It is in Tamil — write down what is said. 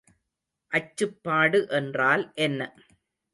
அச்சுப்பாடு என்றால் என்ன?